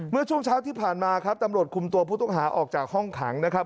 เมื่อช่วงเช้าที่ผ่านมาครับตำรวจคุมตัวผู้ต้องหาออกจากห้องขังนะครับ